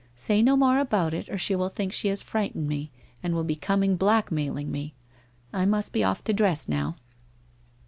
Say no more about it, or she will think . he has frightened me and will be com ing blackmailing me ! I must be off to dress now.'